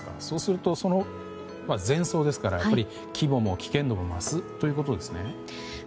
全層ですから規模も危険度も増すということですね。